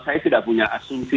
saya tidak punya asumsi